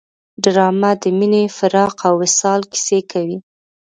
ډرامه د مینې، فراق او وصال کیسې کوي